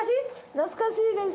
懐かしいです。